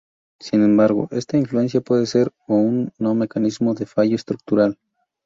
Sin embargo esta fluencia puede ser o no un mecanismo de fallo estructural.